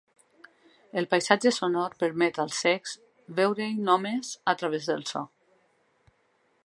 El paisatge sonor permet als cecs veure-hi només a través del so.